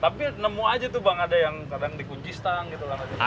tapi nemu aja tuh bang ada yang kadang dikujis tang gitu kan